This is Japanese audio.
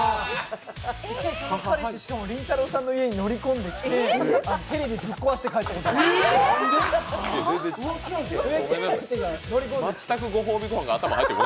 しかもりんたろーさんの家に乗り込んできてテレビぶっ壊して帰ったことがある。